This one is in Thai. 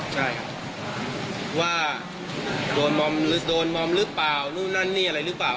ใช่ครับว่าโดนมอมหรือโดนมอมหรือเปล่านู่นนั่นนี่อะไรหรือเปล่า